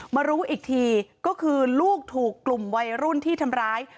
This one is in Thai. มารู้อีกทีก็คือลูกถูกกลุ่มวัยรุ่นที่ทำร้าย